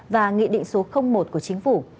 và nghị định số một của chính phủ